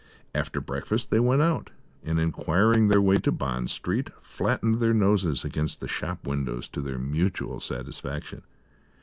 After breakfast they went out, and, inquiring their way to Bond Street, flattened their noses against the shop windows to their mutual satisfaction.